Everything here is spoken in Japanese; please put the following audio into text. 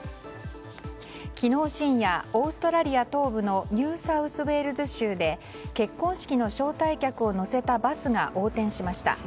昨日深夜オーストラリア東部のニューサウスウェールズ州で結婚式の招待客を乗せたバスが横転しました。